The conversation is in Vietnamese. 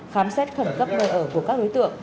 khám xét khẩn cấp nơi ở của các đối tượng